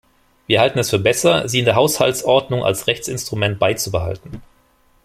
Wir halten es für besser, sie in der Haushaltsordnung als Rechtsinstrument beizubehalten.